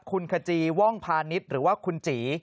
คุณขจีว่องพาณิชย์หรือว่าคุณจี